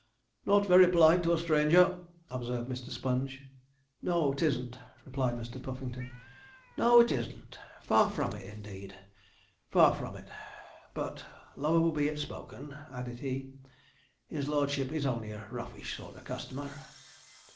'Not very polite to a stranger,' observed Mr. Sponge. 'No, it isn't,' replied Mr. Puffington, 'no, it isn't; far from it indeed far from it; but, low be it spoken,' added he, 'his lordship is only a roughish sort of customer.'